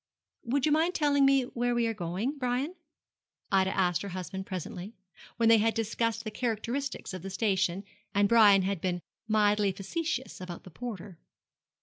'Would you mind telling me where we are going, Brian?' Ida asked her husband presently, when they had discussed the characteristics of the station, and Brian had been mildly facetious about the porter.